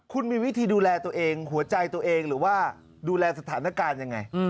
คุณมีวิธีดูแลตัวเองหัวใจตัวเองหรือว่าดูแลสถานการณ์ยังไง